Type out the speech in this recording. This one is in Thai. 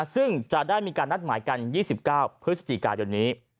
ซึ่งจะได้มีการนัดหมายกัน๒๙เพื่อสถิติการณ์ตอนนี้